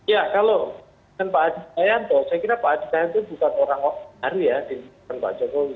ya kalau dengan pak hadi cahyanto saya kira pak hadi cahyanto bukan orang baru ya di pembahasan pak jokowi